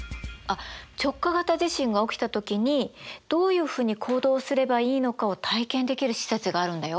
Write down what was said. あっ直下型地震が起きた時にどういうふうに行動すればいいのかを体験できる施設があるんだよ。